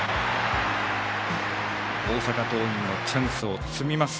大阪桐蔭のチャンスをつみます。